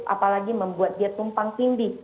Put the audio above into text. apalagi membuat dia tumpang tindih